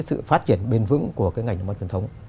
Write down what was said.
sự phát triển bền vững của cái ngành nước mắm truyền thống